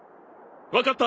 分かった。